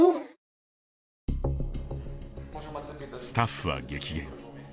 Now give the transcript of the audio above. スタッフは激減。